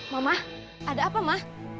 mama ada apa ma